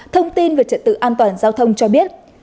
thông tin về trật tự an toàn giao thông cho biết